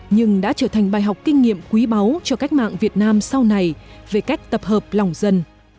nhưng đã trở thành bài học kinh nghiệm quý báu cho cách mạng việt nam sau này về cách tập hợp lòng dân